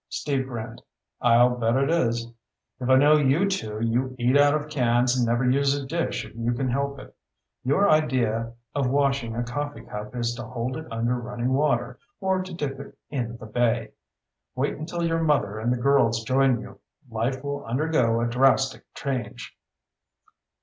Steve grinned. "I'll bet it is. If I know you two, you eat out of cans and never use a dish if you can help it. Your idea of washing a coffee cup is to hold it under running water or to dip it in the bay. Wait until your mother and the girls join you. Life will undergo a drastic change."